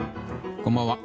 こんばんは。